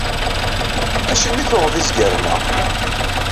Acimi i d-tuɣeḍ izgaren-a?